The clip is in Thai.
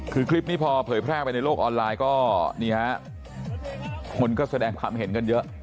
คือคลิปนี้พอเผยแพร่ไปในโลกออนไลน์ก็นี่ฮะคนก็แสดงความเห็นกันเยอะ